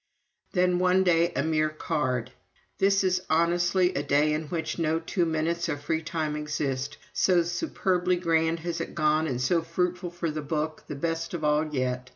Then one day a mere card: "This is honestly a day in which no two minutes of free time exist so superbly grand has it gone and so fruitful for the book the best of all yet.